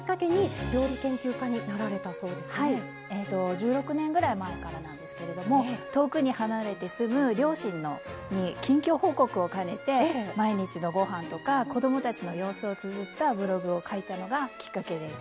１６年ぐらい前からなんですけれども遠くに離れて住む両親に近況報告を兼ねて毎日のごはんとか子どもたちの様子をつづったブログを書いたのがきっかけです。